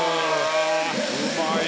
うまい。